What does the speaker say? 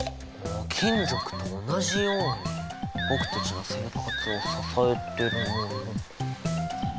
金属と同じように僕たちの生活を支えてるもの。